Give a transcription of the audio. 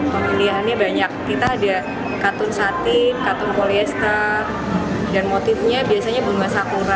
pemilihannya banyak kita ada katun satin katun polyestra dan motifnya biasanya bunga sakura